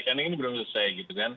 karena ini belum selesai gitu kan